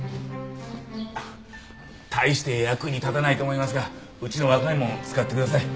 大して役に立たないと思いますがうちの若いもん使ってください。